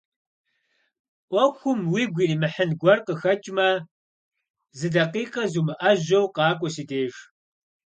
Ӏуэхум уигу иримыхьын гуэр къыхэкӏмэ, зы дакъикъэ зумыӀэжьэу къакӀуэ си деж.